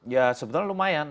ya sebenarnya lumayan